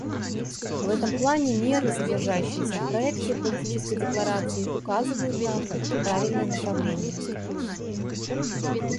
В этом плане меры, содержащиеся в проекте политической декларации, указывают нам правильное направление.